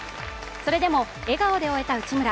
それでも笑顔で終えた内村。